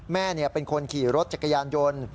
แม่เป็นคนขี่รถจักรยานยนต์